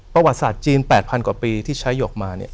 ประวัติศาสตร์จีน๘๐๐กว่าปีที่ใช้หยกมาเนี่ย